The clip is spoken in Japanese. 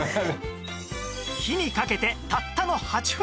火にかけてたったの８分